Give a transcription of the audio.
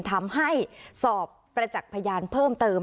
ทำให้สอบประจักษ์พยานเพิ่มเติม